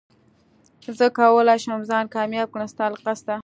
زه کولي شم ځان کامياب کړم ستا له قصده